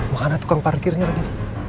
mana tukang parkirnya lagi